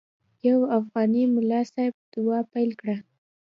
یو افغاني ملا صاحب دعا پیل کړه.